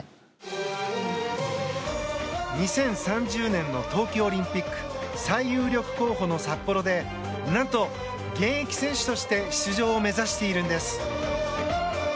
２０３０年の冬季オリンピック最有力候補の札幌で何と現役選手として出場を目指しているんです。